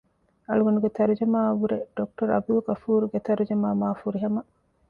އަޅުގަނޑުގެ ތަރުޖަމާއަށްވުރެ ޑޮކްޓަރ ޢަބްދުލްޣަފޫރުގެ ތަރުޖަމާ މާ ފުރިހަމަ